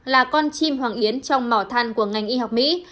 là con chim hoàng yến trong mỏ than của ngành y học mỹ